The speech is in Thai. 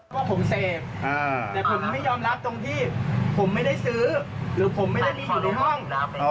ขอให้ผมเลี่ยงแก๊บ